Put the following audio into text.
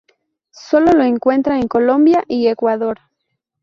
Se lo encuentra en Colombia y Ecuador.